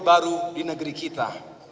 baru di negeri kita